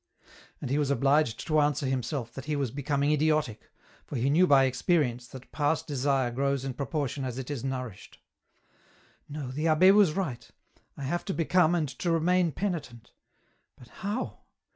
And he was obliged to answer himself that he was becoming idiotic, for he knew by experience that past desire grows in proportion as it is nourished. " No, the abbe was right ; I have to become and to remain penitent. But how